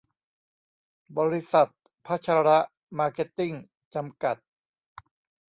บริษัท พชร มาร์เก็ตติ้ง จำกัด